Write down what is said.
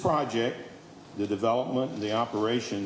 proyek ini pembangunan dan operasi ini